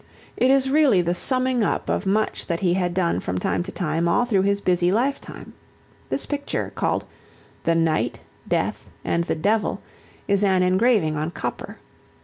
It is really the summing up of much that he had done from time to time all through his busy life time. This picture, called "The Knight, Death and the Devil," is an engraving on copper.